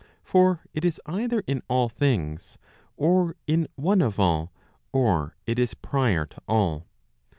For it is either in all things, or in one of all, or it is prior to all.